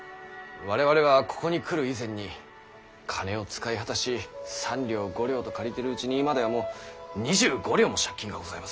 我々はここに来る以前に金を使い果たし３両５両と借りてるうちに今ではもう２５両も借金がございます。